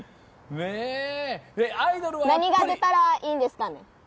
何が出たらいいんですかね？